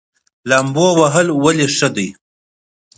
لامبو وهل ولې ښه دي؟